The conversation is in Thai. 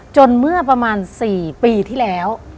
เมื่อประมาณ๔ปีที่แล้ว